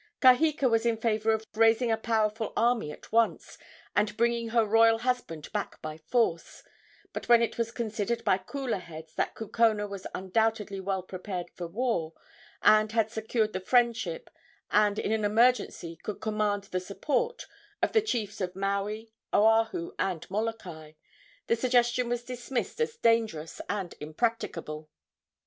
Kaheka was in favor of raising a powerful army at once, and bringing her royal husband back by force; but when it was considered by cooler heads that Kukona was undoubtedly well prepared for war, and had secured the friendship, and in an emergency could command the support, of the chiefs of Maui, Oahu and Molokai, the suggestion was dismissed as dangerous and impracticable.